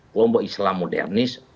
kelompok islam modernis